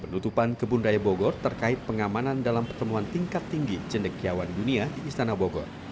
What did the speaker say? penutupan kebun raya bogor terkait pengamanan dalam pertemuan tingkat tinggi cendekiawan dunia di istana bogor